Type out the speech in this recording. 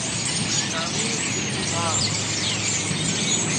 আমি ভীতু না।